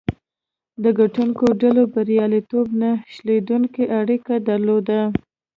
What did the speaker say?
د ګټونکو ډلو بریالیتوب نه شلېدونکې اړیکه درلوده.